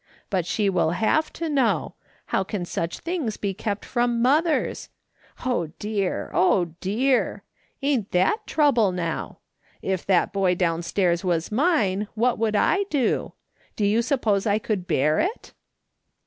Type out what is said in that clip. But she will have to know ; how can such things be kept from mothers ? Oh dear, oh dear ! Ain't that trouble, now ? If that boy downstairs was mine, what could I do ? Do you suppose I could bear it